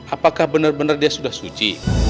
apakah benar benar dia sudah suci